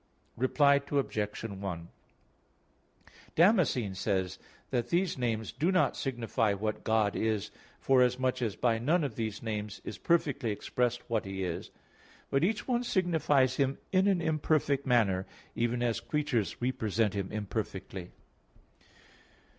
Reply Obj. 1: Damascene says that these names do not signify what God is, forasmuch as by none of these names is perfectly expressed what He is; but each one signifies Him in an imperfect manner, even as creatures represent Him imperfectly.